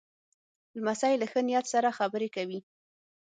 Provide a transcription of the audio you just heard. لمسی له ښه نیت سره خبرې کوي.